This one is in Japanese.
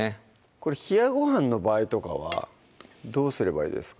これ冷やご飯の場合とかはどうすればいいですか？